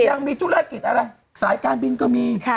ยังมีธุรกิจอะไรสายการบินก็มี